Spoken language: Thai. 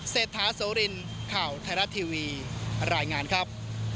เศรษฐาโสรินข่าวไทยรัฐทีวีรายงานครับ